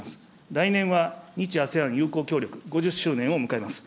来年は日ＡＳＥＡＮ友好協力５０周年を迎えます。